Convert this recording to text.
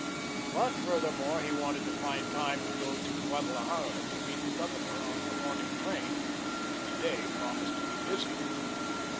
But, furthermore, he wanted to find time to go to Guadalajara to meet the Governor on the morning train. His day promised to be busy.